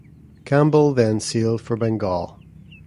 Campbell then sailed for Bengal.